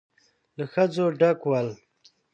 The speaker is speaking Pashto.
له ښځو ډک ول.